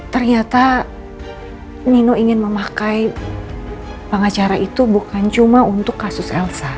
ternyata nino ingin memakai pengacara itu bukan cuma untuk kasus elsa